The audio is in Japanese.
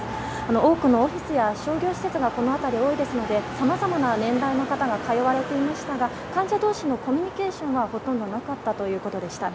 多くのオフィスや商業施設がこの辺り多いですのでさまざまな年代の方が通われていましたが患者同士のコミュニケーションはほとんどなかったということでした。